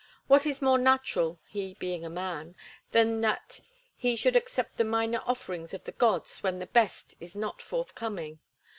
What is more natural—he being a man—than that he should accept the minor offerings of the gods when the best is not forthcoming?